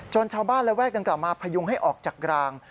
ชาวบ้านระแวกดังกล่ามาพยุงให้ออกจากราง